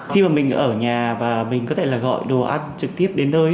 khi mà mình ở nhà và mình có thể là gọi đồ ăn trực tiếp đến nơi